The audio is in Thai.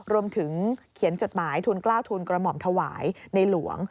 รวมถึงเขียนจดหมายทุนกล้าวทูลกระหม่อมถวายในหลวง